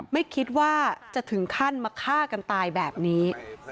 ไม่คิดว่าจะถึงขั้นมาฆ่ากันตายแบบนี้